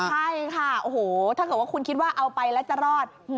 ใช่ค่ะโอ้โหถ้าเกิดว่าคุณคิดว่าเอาไปแล้วจะรอด